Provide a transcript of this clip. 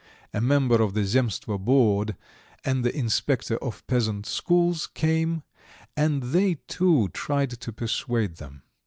A member of the Zemstvo Board and the Inspector of Peasant Schools came, and they, too, tried to persuade them.